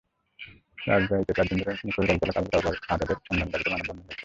রাজবাড়ীতে চার দিন ধরে নিখোঁজ গাড়িচালক আবুল কালাম আজাদের সন্ধান দাবিতে মানববন্ধন হয়েছে।